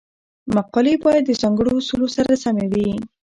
مقالې باید د ځانګړو اصولو سره سمې وي.